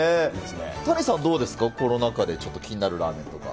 谷さん、どうですか、この中でちょっと気になるラーメンとか。